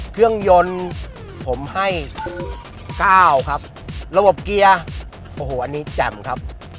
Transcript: เครื่องยนต์ผมให้๙ครับระบบเกียร์โอ้โหอันนี้แจ่มครับ